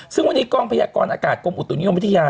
ซึ่งวันนี้กองพยากรอากาศกรมอุตุนิยมวิทยา